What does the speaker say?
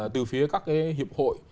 từ phía các hiệp hội